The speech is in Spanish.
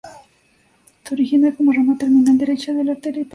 Se origina como rama terminal derecha de la arteria hepática propia.